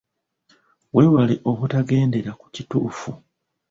Weewale obutagendera ku kituufu.